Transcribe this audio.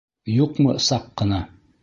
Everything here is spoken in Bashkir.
Юҡмы саҡ ҡына...